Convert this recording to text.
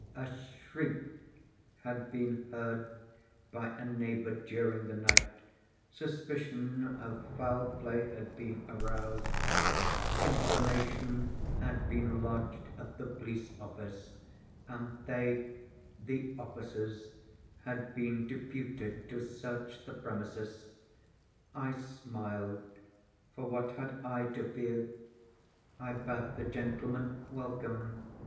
A shriek had been heard by a neighbour during the night; suspicion of foul play had been aroused; information had been lodged at the police office, and they (the officers) had been deputed to search the premises. I smiled,—for what had I to fear? I bade the gentlemen welcome.